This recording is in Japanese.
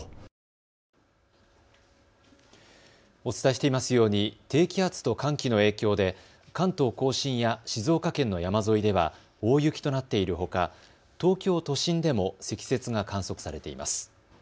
お伝えしていますように低気圧と寒気の影響で関東甲信や静岡県の山沿いでは大雪となっているほか東京都心でも積雪が観測されています。